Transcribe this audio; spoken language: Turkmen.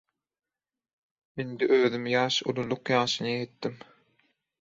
Indi özüm ýaşululyk ýaşyna ýetdim.